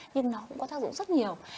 nhưng nó cũng có tác dụng rất nhiều